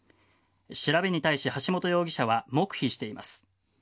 調べに対し、橋本容疑者は黙秘しています。